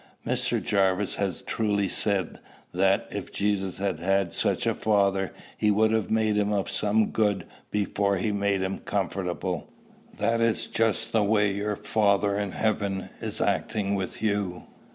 Mr. Jarvis has truly said, that, if Jesus had had such a father, he would have made him of some good before he made him comfortable: that is just the way your Father in heaven is acting with you.